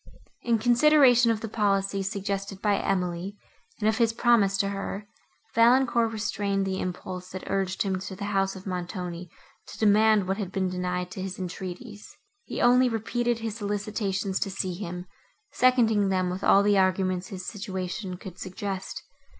In consideration of the policy, suggested by Emily, and of his promise to her, Valancourt restrained the impulse, that urged him to the house of Montoni, to demand what had been denied to his entreaties. He only repeated his solicitations to see him; seconding them with all the arguments his situation could suggest.